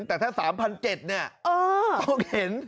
แต่ถ้า๓๗๐๐กรัมต้องเห็น